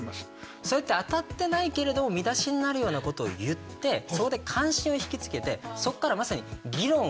そうやって当たってないけれども見出しになるようなことを言ってそこで関心を引き付けてそこからまさに議論を生んでるわけですよ